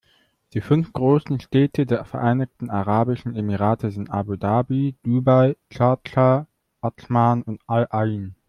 Die fünf großen Städte der Vereinigten Arabischen Emirate sind Abu Dhabi, Dubai, Schardscha, Adschman und Al-Ain.